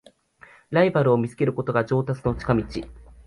ライバルを見つけることが上達への近道